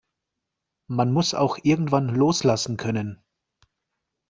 Man muss auch irgendwann loslassen können.